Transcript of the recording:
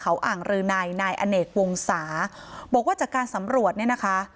เขาอ่างรืนัยนายอเนกวงศาบอกว่าจากการสำรวจเนี่ยนะคะ